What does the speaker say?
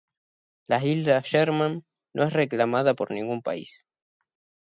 La isla Sherman no es reclamada por ningún país.